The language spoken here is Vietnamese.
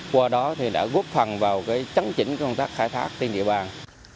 qua đó thì đã góp phần vào chấn chỉnh công tác khai thác trên địa bàn